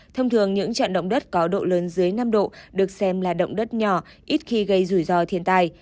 thông thường những trận động đất có độ lớn dưới năm độ được xem là động đất nhỏ ít khi gây rủi ro thiên tai